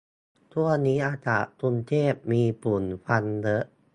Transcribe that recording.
ช่วงนี้อากาศกรุงเทพมีฝุ่นควันเยอะ